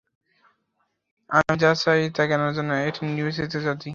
আমি যা চাই তা জ্ঞানার্জন নয়, একটি নির্বাচিত জাতি।